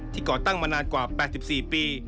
ก่อตั้งมานานกว่า๘๔ปี